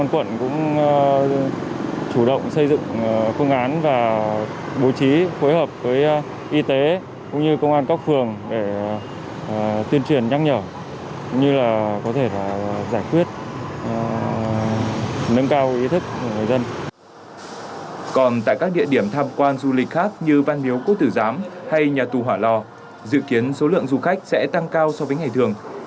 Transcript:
bên cạnh đó phối hợp với y tế quận hoàn kiếm đã huy động tối đa lực lượng ứng trực chốt khác nhau